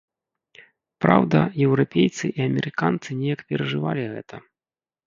Праўда, еўрапейцы і амерыканцы неяк перажывалі гэта.